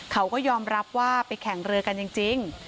เขาก็ยอมรับว่าไปแข่งเรือกันจริง